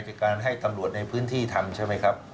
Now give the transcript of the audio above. คือการให้ตำรวจในพื้นที่ทำใช่ไหมครับ